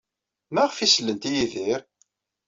Maɣef ay sellent i Yidir?